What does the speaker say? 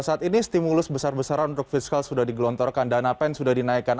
saat ini stimulus besar besaran untuk fiskal sudah digelontorkan dana pen sudah dinaikkan